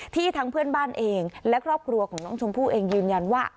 ทั้งเพื่อนบ้านเองและครอบครัวของน้องชมพู่เองยืนยันว่า